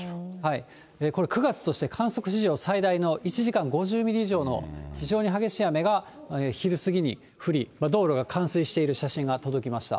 これ、９月として観測史上最大の１時間に５０ミリ以上の非常に激しい雨が昼過ぎに降り、道路が冠水している写真が届きました。